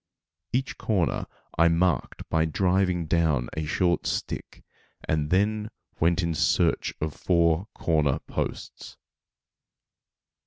Each corner I marked by driving down a short stick, and then went in search of four corner posts.